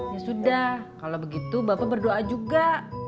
ya sudah kalau begitu bapak berdoa juga